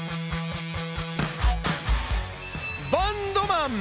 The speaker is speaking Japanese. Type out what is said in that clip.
バンドマン！